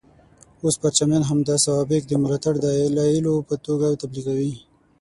اوس پرچمیان همدا سوابق د ملاتړ دلایلو په توګه تبلیغوي.